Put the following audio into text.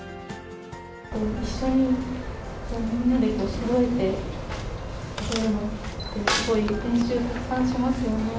一緒にみんなでそろえて踊るのって、すごい練習たくさんしますよね。